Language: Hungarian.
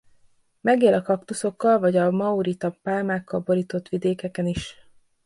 Megél a kaktuszokkal vagy a Mauritia-pálmákkal borított vidékeken is.